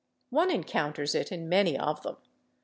One encounters it in many of them.